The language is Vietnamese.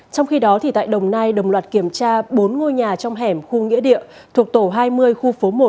trong khi đó tại đồng nai đồng loạt kiểm tra bốn ngôi nhà trong hẻm khu nghĩa địa thuộc tổ hai mươi khu phố một